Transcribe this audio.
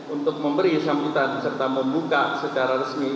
untuk memberi sambutan serta membuka secara resmi